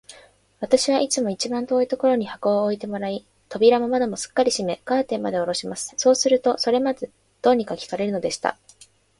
私はいつも一番遠いところに箱を置いてもらい、扉も窓もすっかり閉め、カーテンまでおろします。そうすると、それでまず、どうにか聞けるのでした。